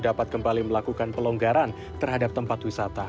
dapat kembali melakukan pelonggaran terhadap tempat wisata